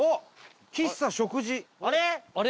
あれ？